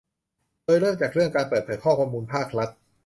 โดยเริ่มจากเรื่องการเปิดเผยข้อมูลภาครัฐ